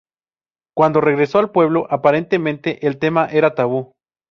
Cuándo regresó al pueblo, aparentemente el tema era tabú.